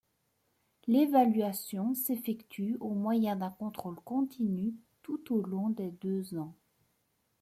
L'évaluation s'effectue au moyen d'un contrôle continu tout au long des deux ans.